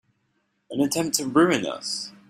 An attempt to ruin us!